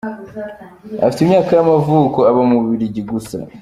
Afite imyaka y’amavuko, aba mu Bubiligi gusa.